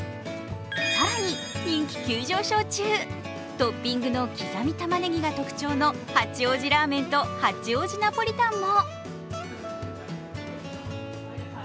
更に人気急上昇中、トッピングの刻みたまねぎが特徴の八王子ラーメンと八王子ナポリタンも。